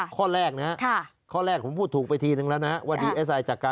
ข้อแรกนะครับข้อแรกผมพูดถูกไปทีนึงแล้วนะ